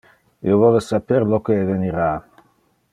Io vole saper lo que evenira.